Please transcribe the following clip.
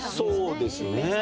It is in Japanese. そうですね。